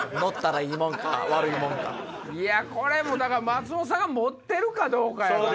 これもだから松本さんが持ってるかどうかやから。